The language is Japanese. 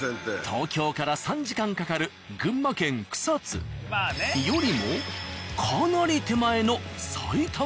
東京から３時間かかる群馬県・草津よりもかなり手前の埼玉県。